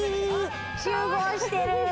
集合してる。